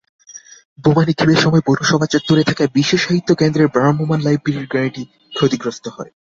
বোমা নিক্ষেপের সময় পৌরসভা চত্বরে থাকা বিশ্বসাহিত্য কেন্দ্রের ভ্রাম্যমাণ লাইব্রেরির গাড়িটি ক্ষতিগ্রস্ত হয়।